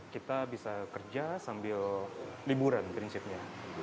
kita bisa kerja sambil liburan prinsipnya